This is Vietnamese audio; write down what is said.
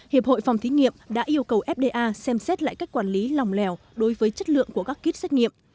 hiệp hội phòng thí nghiệm đã yêu cầu fda xem xét lại cách quản lý lòng lèo đối với chất lượng của các kít xét nghiệm